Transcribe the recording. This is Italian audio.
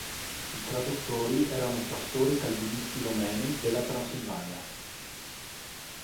I traduttori erano pastori calvinisti romeni della Transilvania.